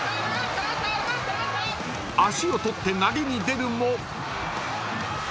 ［足を取って投げに出るも］